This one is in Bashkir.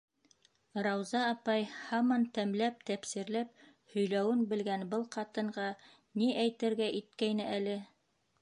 Рауза апай... - һаман тәмләп-тәпсирләп һөйләүен белгән был ҡатынға ни әйтергә иткәйне әле?